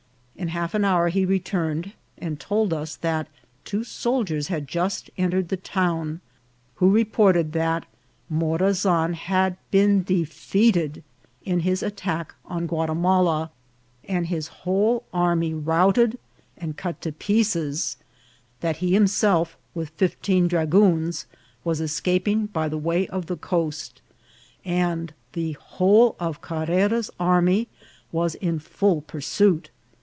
In half an hour he returned, and told us that two soldiers had just entered the town, who reported that Morazan had been defeated in his attack on Guatimala, and his whole army routed and cut to pieces ; that he himself, with fifteen dragoons, was escaping by the way of the coast, and the whole of Carr era's army was in full pursuit.